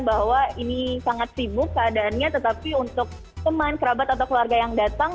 bahwa ini sangat sibuk keadaannya tetapi untuk teman kerabat atau keluarga yang datang